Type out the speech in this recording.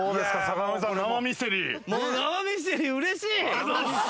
うれしい！